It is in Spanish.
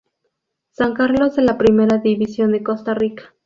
San Carlos de la Primera División de Costa Rica.